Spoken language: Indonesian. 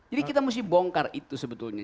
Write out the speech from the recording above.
jadi kita mesti bongkar itu sebetulnya